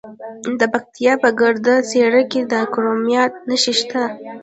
د پکتیا په ګرده څیړۍ کې د کرومایټ نښې شته.